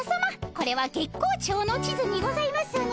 これは月光町の地図にございますね？